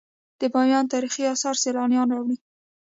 د بامیان تاریخي اثار سیلانیان راوړي